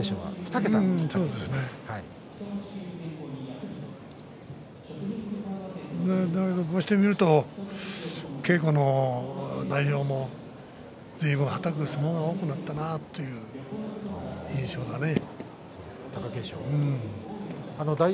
だけどこうして見ると稽古の内容もずいぶんはたく相撲が多くなったなという印象だね。